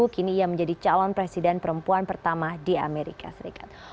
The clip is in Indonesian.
kini ia menjadi calon presiden perempuan pertama di amerika serikat